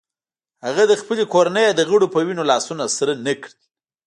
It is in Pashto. هغه د خپلې کورنۍ د غړو په وینو لاسونه سره نه کړل.